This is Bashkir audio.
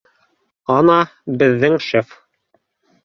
Ана, беҙҙең шеф